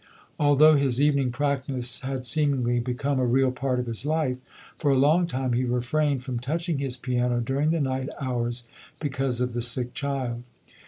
Although his evening practice had seemingly become a real part of his life, for a long time he refrained from touching his piano during the night hours because of the sick child.